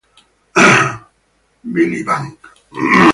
Billy Bang